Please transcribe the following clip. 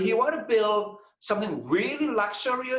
sesuatu yang sangat luksur